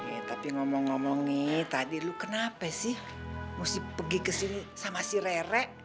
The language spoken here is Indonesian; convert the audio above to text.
ya tapi ngomong ngomong nih tadi lu kenapa sih mesti pergi ke sini sama si rerek